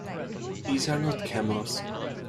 These are not camels!